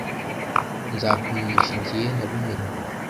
Nzakumenyesha igihe nabimenye